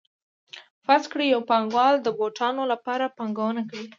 فرض کړئ یو پانګوال د بوټانو لپاره پانګونه کوي